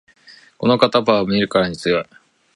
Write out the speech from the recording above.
この肩幅は見るからに強い